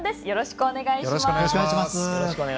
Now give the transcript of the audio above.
よろしくお願いします。